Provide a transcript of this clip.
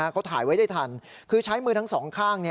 เขาถ่ายไว้ได้ทันคือใช้มือทั้งสองข้าง